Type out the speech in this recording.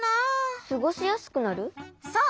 そう！